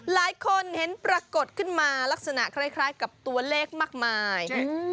หลายคนเห็นปรากฏขึ้นมาลักษณะคล้ายกับตัวเลขมากมาย